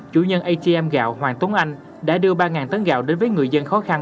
chủ nhân atm gạo hoàng tuấn anh đã đưa ba tấn gạo đến với người dân khó khăn